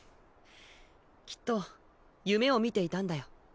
きっと夢を見ていたんだよ。